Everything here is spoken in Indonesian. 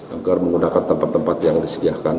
agar menggunakan tempat tempat yang disediakan